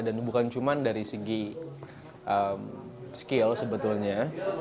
dan bukan cuma dari segi skill sebetulnya